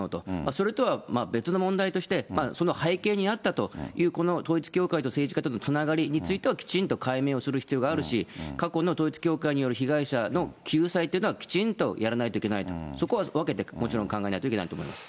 それとは別の問題として、その背景にあったという、この統一教会と政治家とのつながりについてはきちんと解明をする必要があるし、過去の統一教会による被害者の救済というのは、きちんとやらないといけないと、そこは分けてもちろん考えないといけないと思います。